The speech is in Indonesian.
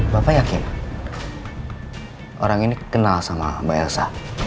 bapak yakin orang ini kenal sama mbak elsa